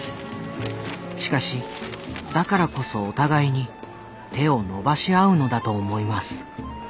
しかしだからこそお互いに手を伸ばし合うのだと思います。